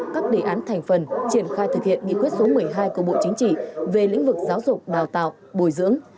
các đề án thành phần triển khai thực hiện nghị quyết số một mươi hai của bộ chính trị về lĩnh vực giáo dục đào tạo bồi dưỡng